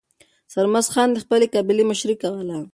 سرمست خان د خپلې قبیلې مشري کوله.